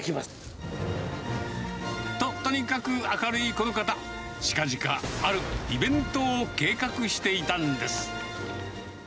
と、とにかく明るいこの方、近々あるイベントを計画していたんです。